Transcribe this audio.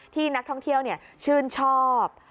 ที่นักท่องเที่ยวชื่นชอบ